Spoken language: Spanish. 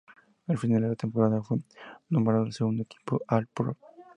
Al finalizar la temporada, fue nombrado al segundo equipo All-Pro.